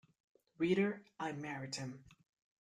Reader, I married him.